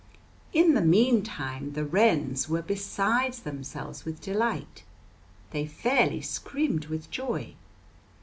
In the mean time the wrens were beside themselves with delight; they fairly screamed with joy.